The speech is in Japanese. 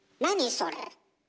それ。